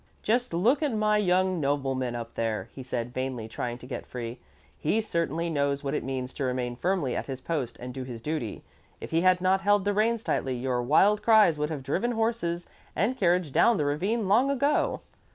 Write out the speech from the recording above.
"Just look at my young nobleman up there," he said, vainly trying to get free. "He certainly knows what it means to remain firmly at his post and do his duty. If he had not held the reins tightly, your wild cries would have driven horses and carriage down the ravine long ago."